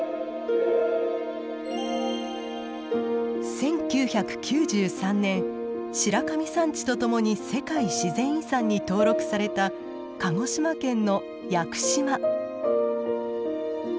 １９９３年白神山地とともに世界自然遺産に登録された鹿児島県の屋久島。